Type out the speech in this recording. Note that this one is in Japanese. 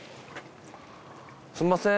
すみません。